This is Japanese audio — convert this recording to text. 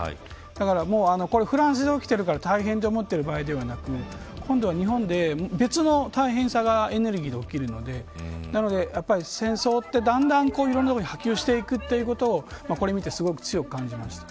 だからフランスで起きているから大変、と思ってる場合ではなくて今度は日本で別の大変さがエネルギーで起きるので戦争ってだんだんいろんな所に波及していくということをこれを見て強く感じました。